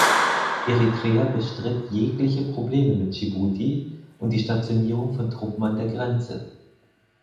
Eritrea bestritt jegliche Probleme mit Dschibuti und die Stationierung von Truppen an der Grenze.